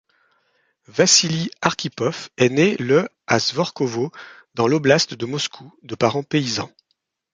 Vassili Arkhipov est né le à Zvorkovo, dans l'oblast de Moscou, de parents paysans.